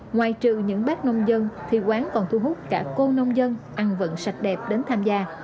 ngoài trừ những bác nông dân thì quán còn thu hút cả cô nông dân ăn vận đẹp đến tham gia